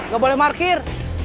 gak boleh markir